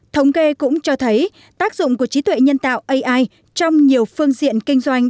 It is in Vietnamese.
thống kê cũng cho thấy tác dụng của trí tuệ nhân tạo ai trong nhiều phương diện kinh doanh